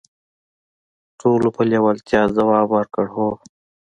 ټولو په لیوالتیا ځواب ورکړ: "هو".